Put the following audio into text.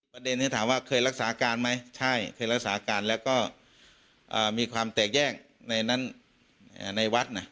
ประเด็นที่ถามว่าเคยรักษาการไหมใช่เคยรักษาการแล้วก็มีความแตกแยกในนั้นในวัดนะ